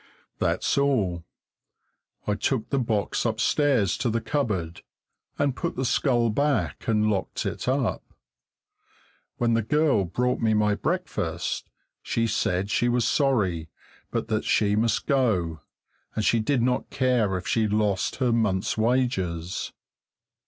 That's all. I took the box upstairs to the cupboard, and put the skull back and locked it up. When the girl brought me my breakfast she said she was sorry, but that she must go, and she did not care if she lost her month's wages.